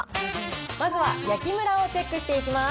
まずは焼きむらをチェックしていきます。